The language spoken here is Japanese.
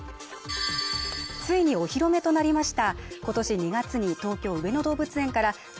ついにお披露目となりました